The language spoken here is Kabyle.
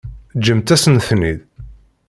Ǧǧemt-asent-ten-id.